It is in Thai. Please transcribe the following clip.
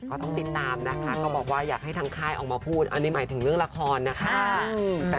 ก็ต้องติดตามนะคะก็บอกว่าอยากให้ทางค่ายออกมาพูดอันนี้หมายถึงเรื่องละครนะคะ